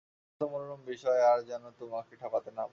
আপাত-মনোরম বিষয় আর যেন তোমাকে ঠকাতে না পারে।